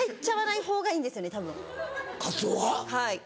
はい。